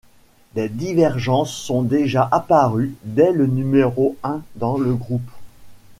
Des divergences sont déjà apparues dès le numéro un dans le groupe.